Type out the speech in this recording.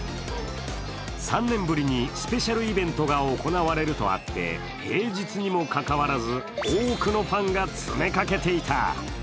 ３年ぶりにスペシャルイベントが行われるとあって平日にもかかわらず、多くのファンが詰めかけていた。